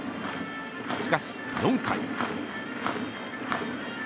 しかし、４回。